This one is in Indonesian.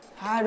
aduh capek deh